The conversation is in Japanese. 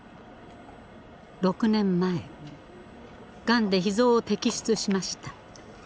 ６年前がんでひ臓を摘出しました。